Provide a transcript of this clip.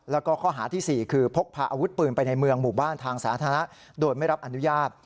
แล้วก็ข้อหาที่๔คือพกพาอาวุธปืนไปในเมืองหมู่บ้านทางสาธารณะโดยไม่รับอนุญาต